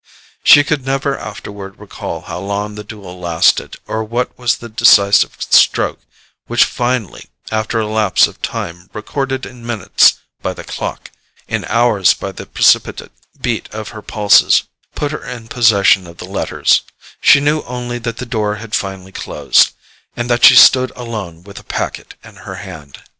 She could never afterward recall how long the duel lasted, or what was the decisive stroke which finally, after a lapse of time recorded in minutes by the clock, in hours by the precipitate beat of her pulses, put her in possession of the letters; she knew only that the door had finally closed, and that she stood alone with the packet in her hand.